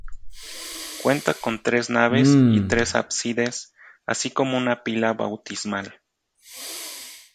Cuenta con tres naves y tres ábsides, así como una pila bautismal.